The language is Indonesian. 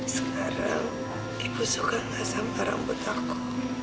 sekarang ibu suka nggak sama rambut aku